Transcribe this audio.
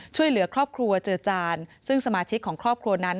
ช่วยเหลือครอบครัวเจือจานซึ่งสมาชิกของครอบครัวนั้น